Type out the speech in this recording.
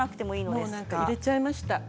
もう入れちゃいました。